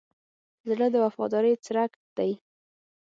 زړه د وفادارۍ څرک دی.